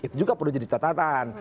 itu juga perlu jadi catatan